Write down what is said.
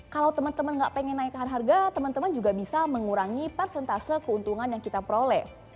kalau temen temen nggak pengen naikkan harga temen temen juga bisa mengurangi persentase keuntungan yang kita peroleh